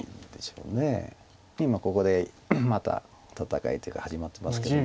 で今ここでまた戦いというか始まってますけども。